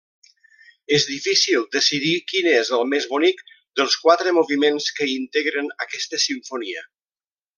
És difícil decidir quin és el més bonic dels quatre moviments que integren aquesta Simfonia.